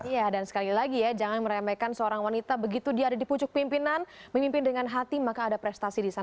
iya dan sekali lagi ya jangan meremehkan seorang wanita begitu dia ada di pucuk pimpinan memimpin dengan hati maka ada prestasi di sana